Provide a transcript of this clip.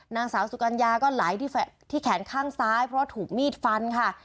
นางสาวสุกัญญาก็ไหลที่แขนข้างซ้ายเพราะถูกมีดฟันค่ะ